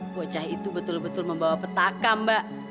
bocah itu betul betul membawa petaka mbak